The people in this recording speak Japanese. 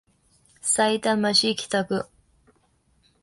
さいたま市北区